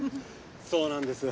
そうなんです。